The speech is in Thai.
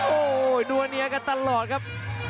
โอ้โหนัวเนียกันตลอดครับ